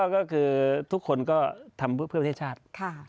ก็คือทุกคนก็ทำเพื่อประเทศชาติ